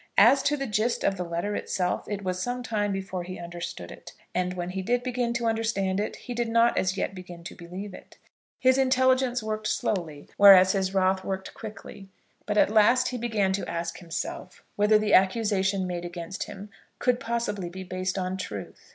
As to the gist of the letter itself, it was some time before he understood it. And when he did begin to understand it, he did not as yet begin to believe it. His intelligence worked slowly, whereas his wrath worked quickly. But at last he began to ask himself whether the accusation made against him could possibly be based on truth.